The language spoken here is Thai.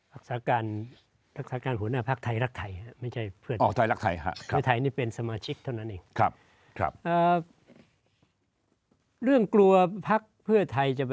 รักษาการหัวหน้าภักร์ไทยรักไทยไม่ใช่เพื่อนอ๋อไทยรักไทยครับ